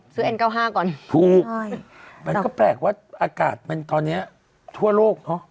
เอ็นเก้าห้าก่อนถูกใช่มันก็แปลกว่าอากาศมันตอนเนี้ยทั่วโลกเนอะ